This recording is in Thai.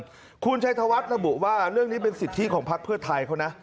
เหมือนเดิมคุณชัยธวัฒน์ระบุว่าเรื่องนี้เป็นสิทธิของภักดิ์เพื่อไทยเขานะ